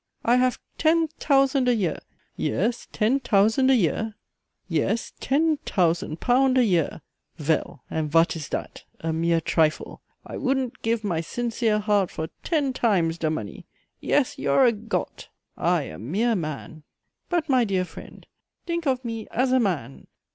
I haf ten tousand a year yes, ten tousand a year yes, ten tousand pound a year! Vel and vat is dhat? a mere trifle! I 'ouldn't gif my sincere heart for ten times dhe money. Yes, you're a Got! I a mere man! But, my dear friend! dhink of me, as a man!